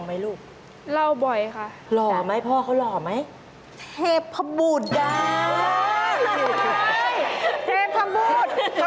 กำพึงเยอรมันแขกค่ะ